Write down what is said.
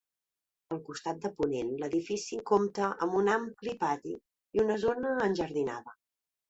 Al costat de ponent l'edifici compta amb un ampli pati i una zona enjardinada.